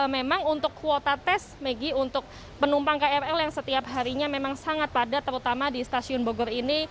memang untuk kuota tes maggie untuk penumpang krl yang setiap harinya memang sangat padat terutama di stasiun bogor ini